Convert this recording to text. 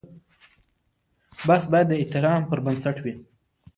بحث باید د احترام پر بنسټ وي.